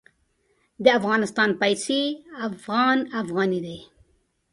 د افغانستان پیسې افغان افغاني دي.